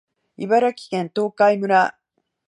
茨城県東海村